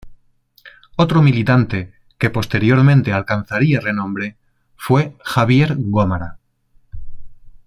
Otro militante que posteriormente alcanzaría renombre fue Javier Gómara.